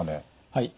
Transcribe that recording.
はい。